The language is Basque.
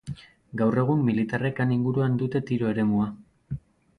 Gaur egun militarrek han inguruan dute tiro eremua.